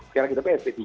sekarang kita psp tiga